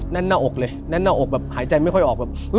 แน่นหน้าอกแบบหายใจไม่ค่อยออก